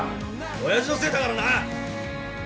「親父のせいだからな」